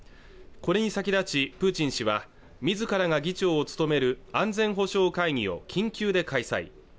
これに先立ちプーチン氏はみずからが議長を務める安全保障会議を緊急で開催